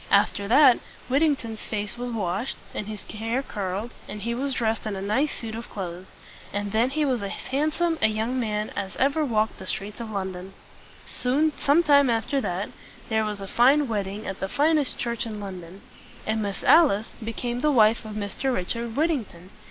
After that, Whittington's face was washed, and his hair curled, and he was dressed in a nice suit of clothes; and then he was as handsome a young man as ever walked the streets of London. Some time after that, there was a fine wedding at the finest church in London; and Miss Alice became the wife of Mr. Richard Whittington.